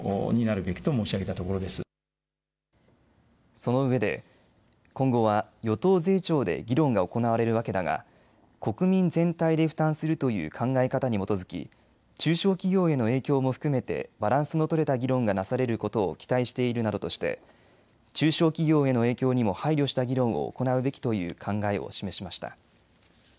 そのうえで今後は与党税調で議論が行われるわけだが国民全体で負担するという考え方に基づき中小企業への影響も含めてバランスの取れた議論がなされることを期待しているなどとして中小企業への影響にも配慮した議論を行うべきという考えを示しました。